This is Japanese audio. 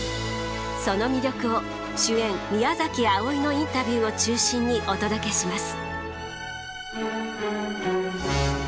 その魅力を主演宮あおいのインタビューを中心にお届けします！